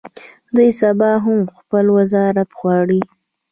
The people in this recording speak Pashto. دوی سبا هم خپل وزارت غواړي.